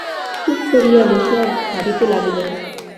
চুপ করিয়া বসিয়া ভাবিতে লাগিলেন।